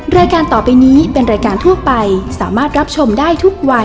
รายการต่อไปนี้เป็นรายการทั่วไปสามารถรับชมได้ทุกวัย